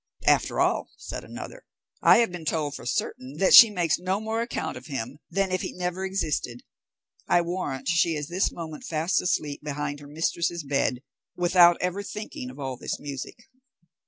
"After all," said another, "I have been told for certain that she makes no more account of him than if he never existed. I warrant she is this moment fast asleep behind her mistress's bed, without ever thinking of all this music."